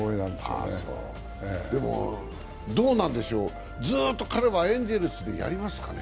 でもどうなんでしょう、ずっと彼はエンゼルスでやりますかね。